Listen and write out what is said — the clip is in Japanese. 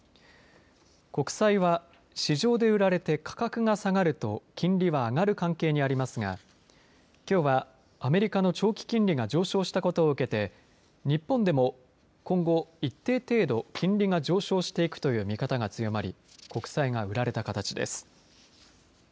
国債は市場で売られて価格が下がると金利は上がる関係にありますがきょうは、アメリカの長期金利が上昇したことを受けて日本でも今後、一定程度金利が上昇していくという見方が強まり国債が売られた形です。